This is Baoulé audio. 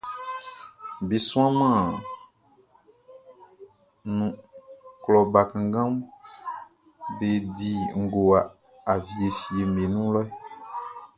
Blɛ sunman nunʼn, klɔ bakannganʼm be di ngowa awie fieʼm be wun lɛ.